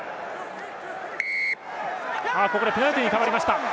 ここでペナルティに変わりました。